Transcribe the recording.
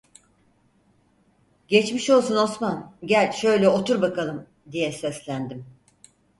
"Geçmiş olsun Osman, gel şöyle otur bakalım!" diye seslendim.